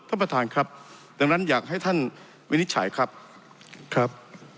ท่านประธานครับดังนั้นอยากให้ท่านวินิจฉัยครับครับ